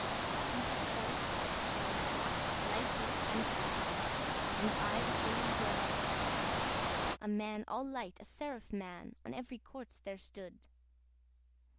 Each corse lay flat, lifeless and flat, And, by the holy rood! A man all light, a seraph man, On every corse there stood.